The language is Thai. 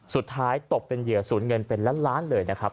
สุดท้ายตกเป็นเหยื่อศูนย์เงินเป็นล้านล้านเลยนะครับ